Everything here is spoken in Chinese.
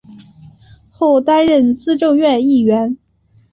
后担任资政院议员。